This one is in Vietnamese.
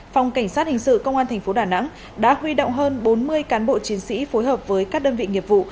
phòng cảnh sát hình sự công an tp đà nẵng đã huy động hơn bốn mươi cán bộ chiến sĩ phối hợp với các đơn vị nghiệp vụ